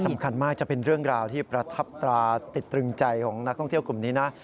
สำคัญมากจะเป็นเรื่องราวที่ประทับตราติดตรึงใจของนักท่องเที่ยวกลุ่มนี้นะ